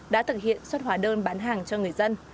đã thực hiện xuất hóa đơn bán hàng cho người dân